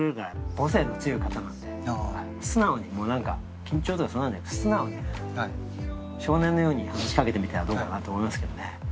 母性の強い方なんで素直にもうなんか緊張とかそんなのじゃなく素直に少年のように話しかけてみてはどうかなと思いますけどもね。